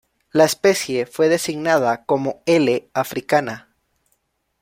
La especie fue designada como "L. africana".